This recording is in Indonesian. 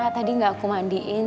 tadi nggak aku mandiin